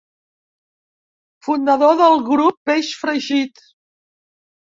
Fundador del grup Peix Fregit.